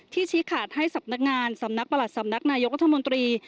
ชี้ขาดให้สำนักงานสำนักประหลัดสำนักนายกรัฐมนตรี